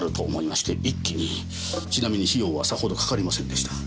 ちなみに費用はさほどかかりませんでした。